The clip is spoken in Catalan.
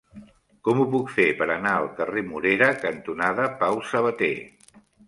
Com ho puc fer per anar al carrer Morera cantonada Pau Sabater?